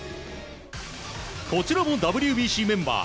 こちらもＷＢＣメンバー